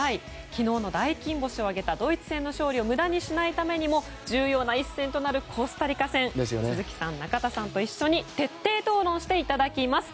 昨日の大金星を挙げたドイツ戦を無駄にしないためにも重要な一戦となるコスタリカ戦ですが鈴木さん、中田さんと一緒に徹底討論していただきます。